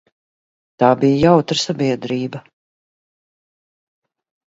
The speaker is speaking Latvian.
Tā bija jautra sabiedrība.